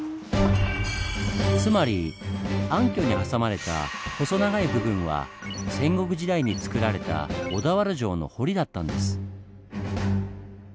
つまり暗渠にはさまれた細長い部分は戦国時代につくられた小田原城の堀だったんです。